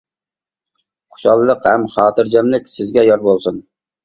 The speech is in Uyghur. خۇشاللىق ھەم خاتىرجەملىك سىزگە يار بولسۇن.